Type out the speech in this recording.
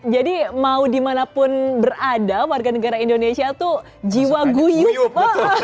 jadi mau dimanapun berada warga negara indonesia itu jiwa guyup